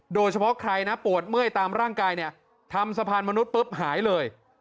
โดยเฉพาะใครนะปวดเมื่อยตามร่างกายเนี่ยทำสะพานมนุษย์ปุ๊บหายเลย